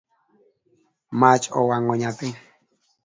Mach owango nyathi